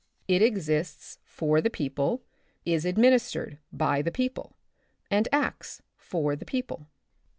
It exists for the people, is administered by the people, and acts for the people.